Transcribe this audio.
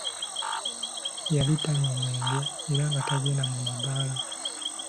Yali tanywa mwenge era nga tagenda mu mabaala.